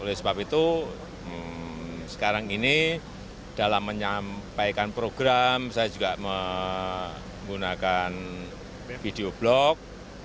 oleh sebab itu sekarang ini dalam menyampaikan program saya juga menggunakan video blog